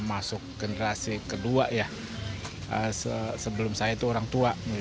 masuk generasi kedua ya sebelum saya itu orang tua